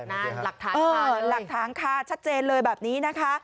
หลักฐานค่ะหลักฐานค่ะชัดเจนเลยแบบนี้นะคะ